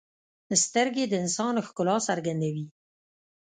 سترګې د انسان ښکلا څرګندوي